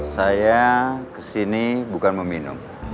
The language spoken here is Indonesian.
saya kesini bukan meminum